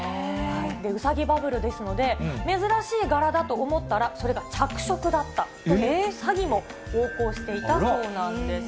うさぎバブルですので、珍しい柄だと思ったら、それが着色だったという詐欺も横行していたそうなんです。